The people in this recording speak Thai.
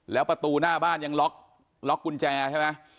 แล้วประตูหน้าบ้านต้องล็อกแนว